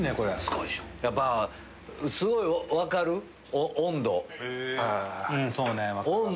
やっぱすごい分かる温度。